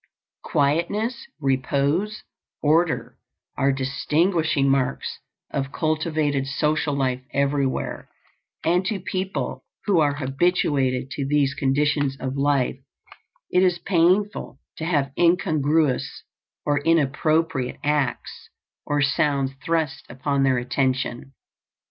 Quietness, repose, order, are distinguishing marks of cultivated social life everywhere, and to people who are habituated to these conditions of life it is painful to have incongruous or inappropriate acts or sounds thrust upon their attention.